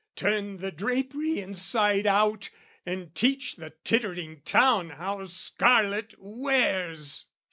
Turn the drapery inside out And teach the tittering town how scarlet wears!